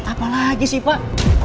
apa lagi sih pak